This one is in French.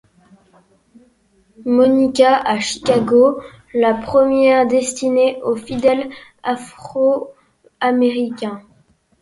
Monica à Chicago, la première destinée aux fidèles afro-américains.